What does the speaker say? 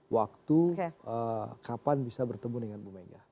waktu kapan bisa bertemu dengan bu mega